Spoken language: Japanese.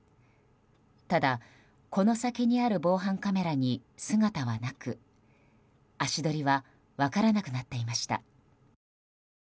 ただ、この先にある防犯カメラに姿はなく足取りは分からなくなっていました。